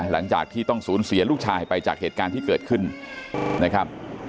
หลังจากที่ต้องสูญเสียลูกชายไปจากเหตุการณ์ที่เกิดขึ้นนะครับ